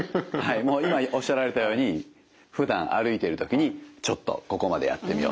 今おっしゃられたようにふだん歩いてる時にちょっとここまでやってみよう。